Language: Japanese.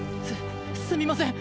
すすみません。